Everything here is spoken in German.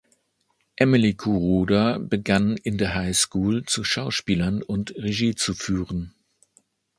Emily Kuroda begann in der High School zu schauspielern und Regie zu führen.